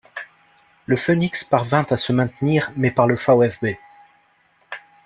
Le Phönix parvint à se maintenir mais par le VfB.